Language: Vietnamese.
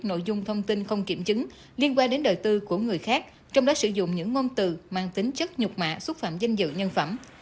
nội dung thông tin không kiểm chứng liên quan đến đời tư của người khác trong đó sử dụng những ngôn từ mang tính chất nhục mạ xúc phạm danh dự nhân phẩm